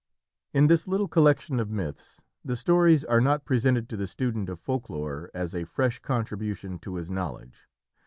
In this little collection of Myths, the stories are not presented to the student of folklore as a fresh contribution to his knowledge.